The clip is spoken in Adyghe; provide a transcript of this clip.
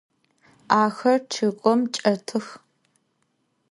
Axer ççıgım çç'etıx.